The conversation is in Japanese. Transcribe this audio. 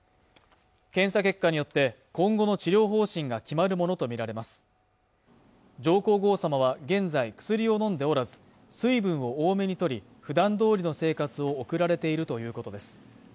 検査結果によって今後の治療方針が決まるものと見られます上皇后さまは現在薬を飲んでおらず水分を多めにとり普段どおりの生活を送られているということです